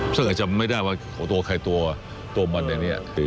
ซึ่งอาจจะไม่ได้ว่าของตัวใครตัวตัวมันอะไรอย่างนี้